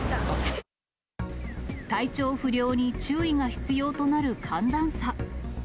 体調不良に注意が必要となる寒暖差。